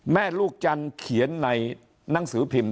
แม่ลูกจันทร์เขียนในหนังสือพิมพ์